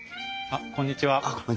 あっこんにちは。